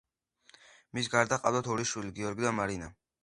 მის გარდა ჰყავდათ ორი შვილი გიორგი და მარინა.